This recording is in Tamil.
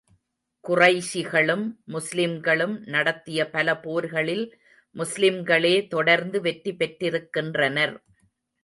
குறைஷிகளும் முஸ்லிம்களும் நடத்திய பல போர்களில் முஸ்லிம்களே தொடர்ந்து வெற்றி பெற்றிருக்கின்றனர்.